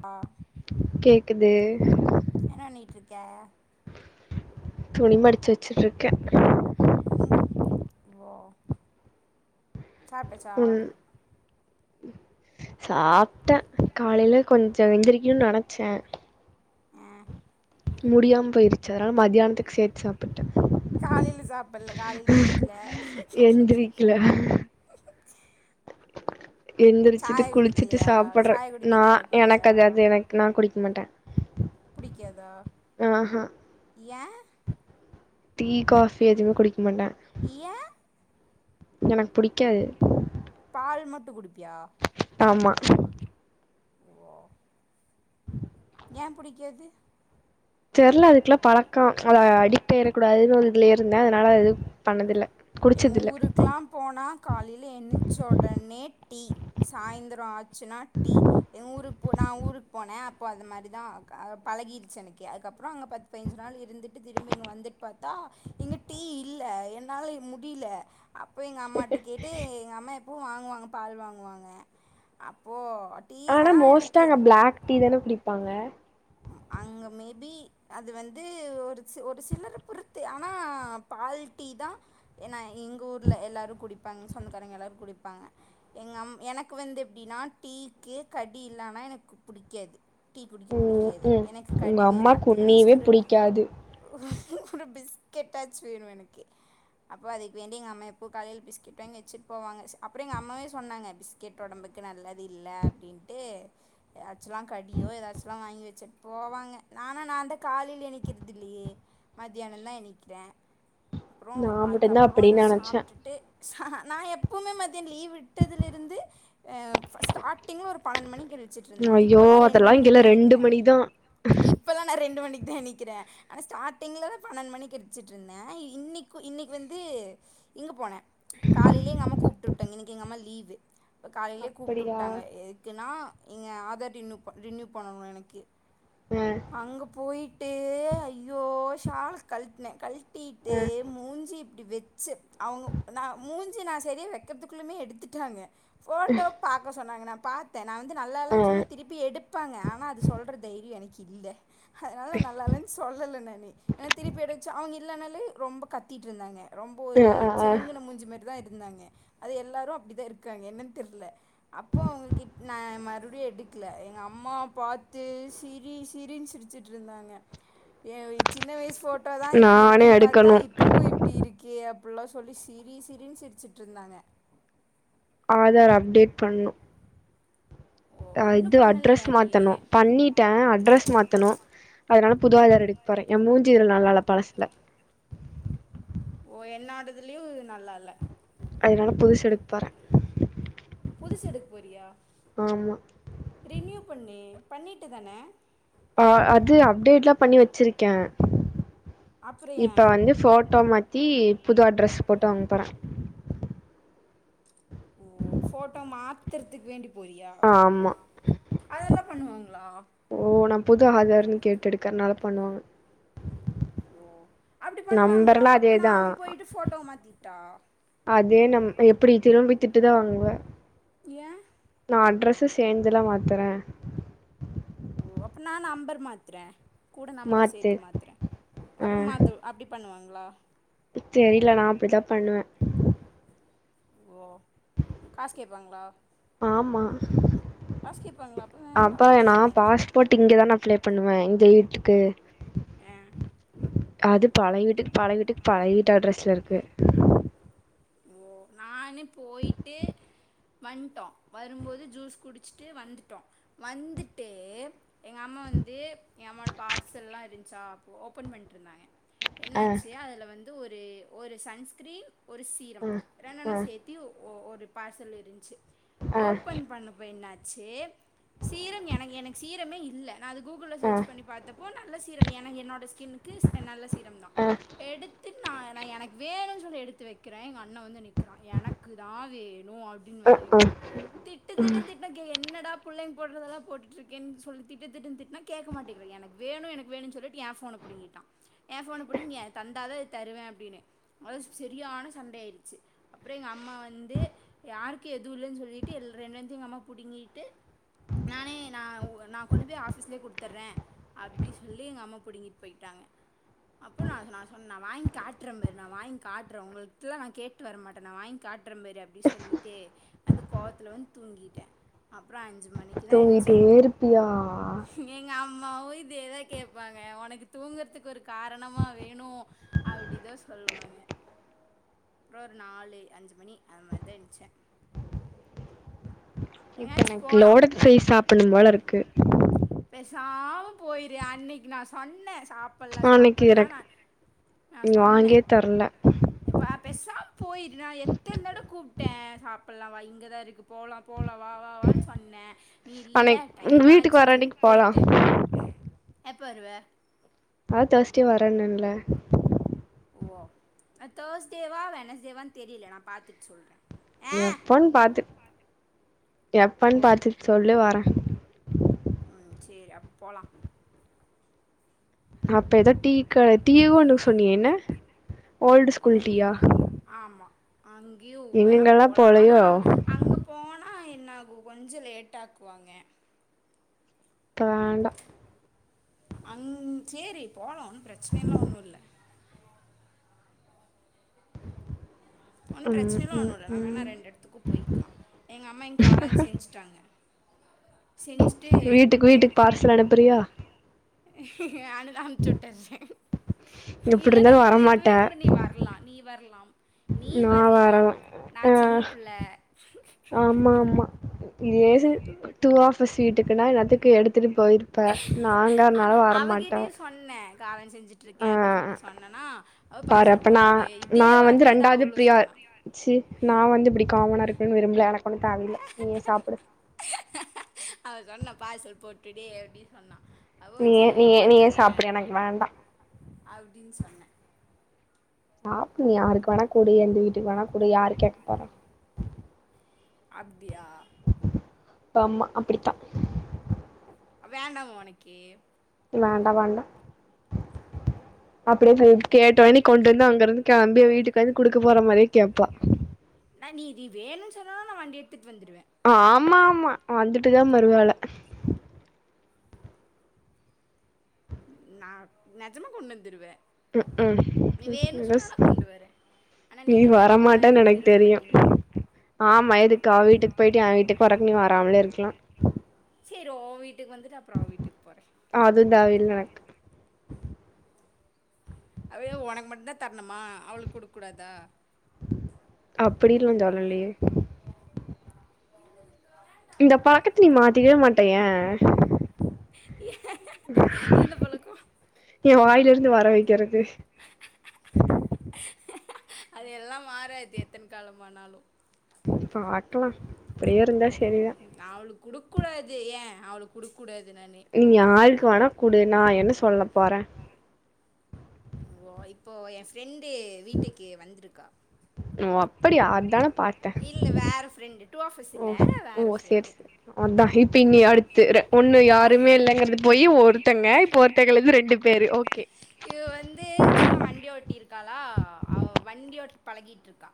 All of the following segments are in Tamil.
ஆ கேக்குது என்ன வண்ணிகிட்ருக்க துணி மடிச்சு வச்சுருக்க ம் ஓ சாப்டாச்சா சாப்ட்ட காலைல கொஞ்சொ எந்திரிக்கன் நெனைச்ச அ முடியாம போயிருச்சு அதனால மத்தியானத்துக்கு சேர்த்து சாப்பிட்டே காலையில சாப்பிடல காலையில வீட்ல ந்திரிக்ல எந்திரிச்சிட்டு சாய குளிச்சிட்டு குடிக்கலையா சாப்படுறே சாய நா குடிக்கிற பழக்கோ இல்லையா எனக்கதாது அது எனக்கு நன் குளிக்மாட்டே புடிக்காதா அவஹா ஏ டீ காஃபி எதுவு குடிக்மாட்ட இய எனக் புடிக்காது பால் மட்டுகுடிப்பியா ஆம்மா ஏம்புடிக்கது தெர்ல அதுக்குலாப் பழக்க அத அடிக்ட் ஆயிரக்கூடாதுன் ஒர் இதுலே இருந்த அனால அது பண்ணதில்ல குடிச்சதில்ல போனா காலையில எந்திச்ச ஒடனே டீ சாயந்தரோ ஆச்சுன்னா டீ எ ஊருக்கு போ நா ஊருக்கு போன அப்போ அது மாதிரிதா பழகிடுச்சு எனக்கு அதுக்கப்ற அங்க ப பெஞ்சு றாள் இருந்துட்டு திரும்பி இங்க வந்துட் பாத்தா இங்குட் [unintelligible] என்னால முடிய்ல அப்ப எங்க அம்மாட்டெக் எடு எங்க அம்மா எப்போவு வாங்குவாங்க பால் வாங்குவாங்க அப்போ ஆனா மோஸ்டா அங்க பிளாக் டீ தான குடிப்பாங்க ம் அங்க மேபி அது வந்து ஒரு சி ஒரு சிலர பொறுத்து ஆனா பால் ட்டி தா என்னா எங்க ஊர்ல எல்லாரு குடிப்பாங் சொந்தக்காரங்க எல்லாரு குடிப்பாங்க எங்கம் எனக்கு வந்து எப்டீனா டீக்கு கடி இல்லன்னா எனக்கு புடிக்காது டீ கு ம் புடிக்காது ம் எனக்கு உங்க கடி வேணு அம்மாக்கு உன்னையவே அட்லீஸ்ட் ஒரு புடிக்காது ஒரு பிஸ்கெட்டாச் வேணு எனக்கு அப்போ அதுக்வேண்டி எங்க அம்மா எப்போ காலைல் பிஸ்கெட் வாங்க்கி வச்சுட் போவங்க அப்பற எங்க அம்மாவே சொன்னாங்க பிஸ் கேட் ஒடம்புக்கு நல்லது இல்ல அப்டின்ட்டு அச்சுல்லாங் கடியோ எதாச் ல்லா வாங்கி வச்சுட்டு போவாங்க நானா நான்ந்த காலையிலே நிக்கற்து இல்லையே மத்தியானந்தா இனிக்கிற அப்ற நா மட்டுந்தா அதுக்கப்பறொ எத அப்டின்னு நெனச்சே சாப்ட்டுட்டு நா எப்பவுமே மதிய லீவ் விட்டதலருந்து ஸ்டார்ட் டிங்னு ஒரு பன்னென் மணிக் எலுச்சுட்ருந்த ஐயோ இப்பல்லா ரெண்டு அதெல்லா மணி இங்கெல்லா தே இனி ரெண்டு மணிதா இப்பல்லா நா ரெண்டு மணிக் தா எநிக்கிறே அனா ஸ்டார்ட்டிங்ல பன்னெண் மணிக்கு ட்ச்சட்ருந்த இன்னிக்கு இன்னக் வந்து இங்க போன காலைலே எங்க அம்மா கூப்ட்டு வுட்டாங் இன்னைக்கு எங்க அம்மா லீவ்வு காலைலே கூப்ட்டு அப்படியா வுட்டாங்க எதுக் குன்னா எங்க ஆதர் ரினி ப ரினியு பண்ணணு எனக்கு அ அங்க போய் ட்டு ஐயோ ஷால்லு கழுட்டினே கள்டிட்டு அ மூஞ்சி இப்டி வச்சு அவங்க ந மூஞ்சி நா சரியா வக்கறதுக்குள்ளமே எடுத்துட்டாங்க ஃபோட்டோ பாக்க சொன்னாங்க நாம்பாத்தே நா வந்து நல்லா அ இல்லைன் சொன்ன திருப்பி எடுப்பாங்க ஆனா அது சொல்ற தை எனக்கு இல்ல அதனால நல்லால்லன்னு சொல்லல நானே அ திருப்பி எதர்ச்சா அவுங்ளே இல்லனலு ரொம்ப கத்தீட்ருந்தாங்க ரொம்ப அ ஒரு அ அ சினுங்கின மூஞ்சு மர் தா இருந்தாங்க அது எல்லாரு அப்டிதா இருக்காங்க என்னன் தெர்ல அப்போ அவுங்கிட் நா மறுபுடி எடுக்ல எங்க அம்மா பாத் து சிரீ சிரீன் சிரிச்ச்ட்ருந்தாங்க ஏ சின்ன வயசு ஃபோட்டோதா இப்டி நானே இருக்குன் பாத்தா எடுக்கணு இப்பவு இப்டி இருக்கியே அப்புட்லா சொல்லி சிரீ சிரீன் சிரிச்சிட்ருந்தாங்க ஆதார் அப்டேட் பண்ணு ஓ ஆ இன்னும் இது அட்ரஸ் பண்ணலையா நீ மாத்தணு பண்ணிட் டே அட்ரஸ் மாத்தணு அதனால புது ஆதார் எடுக் போறே ஏ மூஞ்சி இதுல நல்லால பழசுல ஓ என்னோடதுலயு நல்லால்ல அதுனால புதுசு எடுக்போறே புதுசு எடுக் போறியா ரினியூ பண்ணு பண்ணிட்டுதானே ஆ அது அப்டேட்லா பண்ணி வச்சிருக்கே அப்புறம் இப்பொ ஏன் வந்து போட்டோ மாத்தீ புது அட்ரஸ் போட்டு வாங்கப்போறே ஓ போட்டோ மாத்துற்துக் வேண்டி போறியா ஆமா அதெல்லா பண்ணுவாங்ளா ஓ நா புது ஆதார்ன்னு கேட்டு எடுக்கர்னால பண்வாங்க ஓ அப்டி பண்வாங்களா அப்ப அதேதா நானு போயிட்டு போட்டோ மாத்திக்ட்டா அதே நம் எப்டி திரும்பி திட்டு தா வாங்குவ ஏ நா அட்ரஸ்ஸு சேர்ந்துல மாத்றே ஓ அப்ப நா நம்பர் மாத்றே கூட நம்பர் மாத்து சேத்து மாத்றே ஆ அப்போ மாத்திவு அப்டி பண்வாங்களா தெரில நா அப்டிதா பண்வே ஓ காசு கேப்பாங்களா ஆமா காசு கேப்பாங்களா அப்ப வேண்டா போட்டு இங்கதான அப்ளை பண்வே இங்க வீட்டுக்கு ஆ அது பழய வீட்டுக் பழய வீட்டுக் பழய வீட்டு அட்ரஸ்ல இருக்கு ஓ நானு போயிட்டு வந்டோ வரும்போது ஜூஸ் குடிச்சுட்டு வந்துட்டோ வந்துட்டு எங்க அம்மா வந்து எ அம்மாவோட பார்சல்லா இருஞ்ச்சா ஓபன் பண்ட்டு இருந்தாங்க ஆ என்னாச்சு அதில வந்து ஒரு ஒரு சன்ஸ்கிரீன் ஒரு சீரம் ஆ ஆ ரெண்டென்னம் சேர்த் தியு ஒரு பார்சல் இருந்ச்சு ஆ ஓப்பன் பண்ணபோ என்னாச்சு சீரம் எனக் எனக்கு சீரமே இல்ல நா அது கூகுள ஆ சர்ச் பண்ணி பாத்தப் போ நல்ல சீரம் ஏனா என்னோட ஸ்கின்னுக்கு நல்ல சீரம் தா ஆ எடுத்து நா நா எனக்கு வேணுன்னு சொல்லி எடுத்து வைக் கிறே எங்க அண்ண வந்து நிக்கறா எனக்கு தா வேணு அப்டின்னு அ வந்து ஆ நிக்கிறா திட்டுத்திட்டு திட்டினா என்னடா புள்ளைங்க போடுறதெல்லா போட்டுருக்கேன்னு சொல்லி திட்டு திட்டு திட்னா கேக்க மாட்டிங்கிறா எனக் வேணு எனக் வேணுனு சொல்லிட்டு ஏ ஃபோன புடிங்கிட்டா ஏ போன புடுங்கி அத தந்தாதா இத தருவேனு அப்டின்னு அ சரியான சண்ட ஆயிடுச்சு அப்றோ எங்க அம்மா வந்து யாருக்கு எது இல்லன்னு சொல்லிட்டு ரெண்டுபேத்தையு எங்கம்மா புடுங்கிட்டு நானே நா நா கொண்டு போயி ஆஃபீஸ்லயே குடுத்தர்றே அப்டி சொல்லி எங்கம்மா புடுங்கிட் போய்ட்டாங்க அப்போ நா நா சொன்னே நா வாங்கி காட்டுறே பார் நா வாங்கி காட்றே உங்களுக் லா நா கேட்டு வர மாட்டன் நா வாங்கி காட்ற பாரு அப்டினு சொல்லிட்டு அந்த கோவத்ல வந்து தூங்கிட்டே அப்றோ அஞ்சு தூங்கிட்டே இருப்பியா எங்கம்மாவு இதேதா கேப்பாங்க ஒனக் தூங்குறதுக் ஒரு காரணமா வேணு அப்டிதா சொல்லுவாங்க அப்றோ ஒரு நாலு அஞ்சு மணி அது மாரி தா எந்திரிச்சே இப்ப எங்கயாச்சு எனக் போலா லோடட் பிரைஸ் சாப்ட்ணு போலருக்கு பேசாம போயிரு அன்னைக்கு நா சொன்னே சாப் டல்லா அன்னைக்கு எனக்கு சாப்பல்லானு நா நீங்க சொன்னே வாங்கியே தரல தரல பேசாம போயிரு நா எத்தன தடவ கூப்ட்டே சாப்ட்லா வா இங்கதா இருக்கு போல் போலா வா வா வா ன்னு சொன்னே நீ இல்ல அன்னைக்கு உங்க டைம் வீட்டுக்கு வர ஆச்சுன்னு சொல்லி அன்னைக்கு போலா போயிட்ட எப்ப வருவ அ தேஸ்டே வரேன்னுல்ல ஓ தேர்ஸ்டேவா வெனஸ்டேவானு தெரில நா பாத்துட்டு சொல்றே ஆ எப்பன்னு பாத்து எப்பன்னு ஓ பாத்துட்டு சொல்லு நாவரே ம் சேரி அப்போ போலாம் அப்ப ஏதோ டீ க டீ ஒண்ணு சொன்னியே என்ன ஓல்டு ஸ்கூல் டீயா ஆமா அங்கியும் வேணா எங்கெங்கெல்லா போலா ஆனா போலயோ அங்க போன என்ன ஆகு கொஞ்சோ லேட்டாக்கு வாங்க அப்ப வேண்டா அங் சேரி போலா ஒன்னும் பிரச்சன எல்லா ஒன்னும் இல்ல ஒன்னும் ம் பிரச்சனைலாம் ம் ஒன்னும் இல்ல நாம வேணா ம் ரெண்டு எடத்துக்கும் போயிக்கலா எங்க அம்மா இங் காளான் செஞ்சுட்டாங்க செஞ்சி வீட்டுக்கு வீட்டுக்கு பார்சல் அனுப்புறியா அனு அனுப்ச்சி வுட்டரே எப்டி இல்லன்னா இருந்தாலு இப்ப வரமாட்ட இப்பவே கூட நீ வரலா நீ வரலாம் நீ நா வரலாம் வரல நா சின்ன ஆ பிள்ள ஆமா ஆமா இதே ஏச டூ ஆஃபஸ் வீட்டுக்குன்னா இந்நேரத்துக்கு எடுத்துட்டு போயி ருப்ப நாங்க நாலா வரமாட்ட என்ன காளான் செஞ்சு ட்டு ஆ இருக்கேன் அப்படின்னு சொல்லி சொன்னேனா அவ பாரு பார்சல் அப்ப நா போட்டு இதே வார்த்தையதா அவளும் சொன்னா ச்சீ நா வந்து இப்படி காமனா இருக்கணுன்னு விரும்பல எனக்கு ஒன்னும் தேவையில்ல நீயே சாப்பிடு அவ சொன்னா பார்சல் போட்டுடு அப்டின்னு சொன்னா அவ நீயே நீயே நீயே சாப்பிடு எனக்கு வேண்டா அப்டினு சொன்னே சாப்பிடு நீ யாருக்கு வேணா குடு எந்த வீட்டுக்கு வேணா குடு யாரு கேட்க போறா அப்டியா ஆமா அப்டித்தா அப் வேண்டாமா ஒனக்கு வேண்டா வேண்டா அப்டியே இப்ப கேட்டோனே கொண்டு வந்து அங்க இருந்து கெளம்பி வீட்டுக்கு வந்து குடுக்க போற மாரியே கேட்ப நா நீ இது வேணுன் சொன்னனா நா வண்டி எடுத்துட்டு வந்துருவே ஆமா ஆமா வந்துட்டுதா மறுவேல நா நெஜமா கொண்டு வந்துருவே ம்ஹூம் நீ வேண்னு பஸ் சொன்னனா கொண்டு வரே ஆனா நீ நீங்கதா காமனா வரமாட்டேன்னு இருக்கு எனக்கு விரும்ப தெரியு மாட்டீங்க ஆமா எதுக்கு அவ வீட்டுக்கு போயிட்டு ஏ வீட்டுக்கு வர்றக்கு‌‌ நீ வாரமலே இருக்கலா சேரி ஓ வீட்டுக்கு வந்துட்டு அப்பறோ அவ‌ வீட்டுக்கு போறே அதும் தேவயில்ல எனக்கு அது ஏ ஒனக்கு மட்டுந்தா தரணுமா அவளுக்கு குடுக்க கூடாதா அப்டினு நா‌ சொல்லலையே இந்த பழக்கத்த நீ மாத்திக்கவே மாட்ட‌‌ ஏ எந்த பழக்கம் ஏ வாயில இருந்து வர வைக்கிறக்கு அது எல்லாம் மாறாது எத்தன காலமானாலும் பாக்கலா இப்டியே இருந்தா சரிதா அவளுக் குடுக்கூடாது ஏ அவளுக் குடுக்கூடாது நானு நீ யாருக்கு வேணா குடு நா என்ன சொல்ல போறன் ஓ இப்போ எ ஃப்ரெண்டு வீட்டுக்கு வந்துருக்கா [unintelligible] அதான பாத்தே இல்ல வேற ஃப்ரெண்டு டோஃபிஸ் ஓ இல்ல ஓ வேற சேரி ஃப்ரெண்டு சேரி அதா இப்ப இனி அடுத்து ரெ ஒண்ணு யாருமே இல்லைங்கறது போயி ஒருத்தங்க இப்ப ஒருத்தங்கலந்து ரெண்டு பேரு ஓகே இவ வந்து சும்மா வண்டி ஒட்டிருக்காளா அவ வண்டி ஓட்டி பழகிட்ருக்கா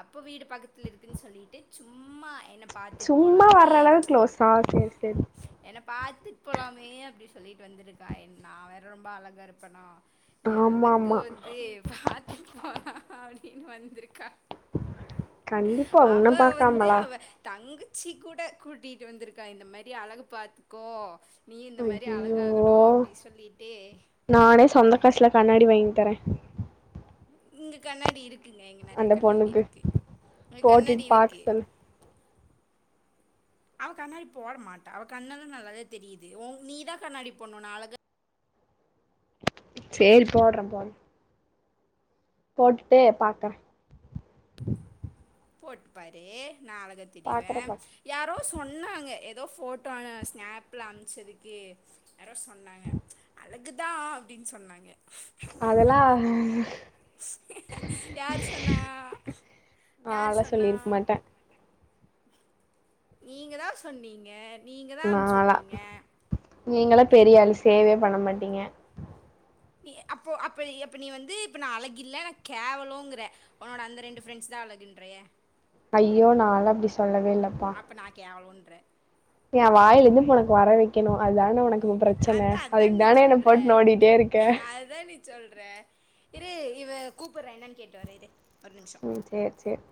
அப்போ வீடு பக்கத்துல இருக்குன் சொல்லிட்டு சும்மா என சும்மா வர்ற அளவு க்ளோஸா சேர் சேரி என்ன பாத்துட் போலாமே அப்டி சொல்லிட்டு வந்துருக்கா எ நா வேற ரொம்ப அழகா இருப்பனா எ ஆமா அழகு ஆமா வந்து பாத்துட் போலா அப்டின் வந்துருக்கா கண்டிப்பா அவ உன்ன வந்து பாக்காமலா அவ தங்குச்சி கூட கூட்டிட்டு வந்துருக்கா இந்த மாரி அழகு பாத்துக்கோ நீ இந்த மாரி ஐயயோ அழகாகணூ அப்டி சொல்லிட்டு நானே சொந்த காஸ்ல கண்ணாடி வாங்கி தரே இங்க கண்ணாடி இருக் குங்க இங்க நெறையா அந்த கண்ணாடி பொண்ணுக்கு இருக்கு இங்க கண்ணாடி போட்டுட்டு இருக்கு பாக்க சொல்லு அவ கண்ணாடி போட மாட்டா அவ கண்ணல்லா நல்லாதா தெரியிது உ நீ தா கண்ணாடி போண்ணு நா அழகு சேரி போட்ற போங் போட்டுட்டு பாக்கற போட் பாரு நா அழகாத் தெரிவ பாக்குறே பாக்குறே யாரோ சொன்னாங்க ஏதோ ஃபோட்டா ஸ்னாப்ல அம்ச்சதுக்கு யாரோ சொன்னாங்க அழகுதா அப்டின் சொன்னாங்க அதெல்லா யார் சொன்னா யார் நான்லா சொன்னா சொல்லிருக்க மாட்டே நீங்க தா சொன்னீங்க நீங்க தா அனுப்ச்சு நால்லா விட்டீங்க நீங்களா பெரியாள் சேவே பண்ண மாட்டீங்க நீ அப்போ அப்ப எப்ப நீ வந்து இப்ப நா அழகில்ல நா கேவலோங்குற ஒன்னோட அந்த ரெண்டு ஃப்ரெண்ட்ஸ் தா அழகுன்றியா ஐயோ நால்லா அப்டி சொல்லவே இல்லப்பா இப்ப நா கேவலோன்ற ஏ வாய்லிந்து இப்போ ஒனக்கு வர வெக்கணு அதான ஒன க்கு ப்ரச்சன அதா அதா அதுக் தான என்ன போட்டு நோன்டிட்டே இருக்க த நீ சொல்ற இரு இவ கூப்புர்ரா என்னன் கேட்டுவரே இரு ஒரு நிமிஷோ ம் சேர் சேர்